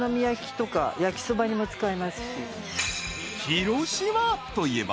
［広島といえば］